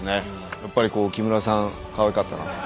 やっぱり木村さんかわいかったな。